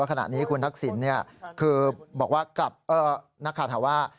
คุณทักษิณคือบอกว่ากลับนักคาถาว่า